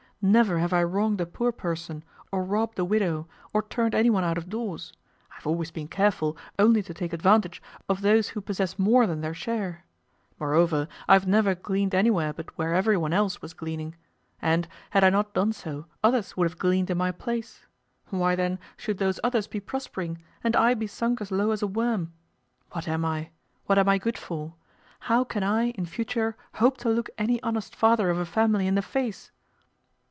Never have I wronged a poor person, or robbed a widow, or turned any one out of doors: I have always been careful only to take advantage of those who possess more than their share. Moreover, I have never gleaned anywhere but where every one else was gleaning; and, had I not done so, others would have gleaned in my place. Why, then, should those others be prospering, and I be sunk as low as a worm? What am I? What am I good for? How can I, in future, hope to look any honest father of a family in the face?